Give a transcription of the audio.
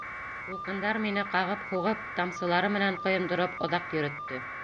Тулҡындар мине ҡағып-һуғып, тамсылары менән ҡойондороп оҙаҡ йөрөттө.